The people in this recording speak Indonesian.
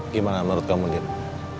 gimana menurut kamu rina